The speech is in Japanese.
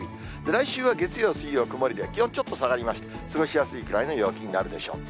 来週は月曜、水曜、曇りで、気温ちょっと下がりまして、過ごしやすいくらいの陽気になるでしょう。